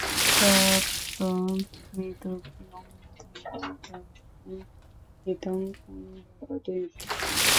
সত্যং মৃদু প্রিয়ং ধীরো বাক্যং হিতকরং বদেৎ।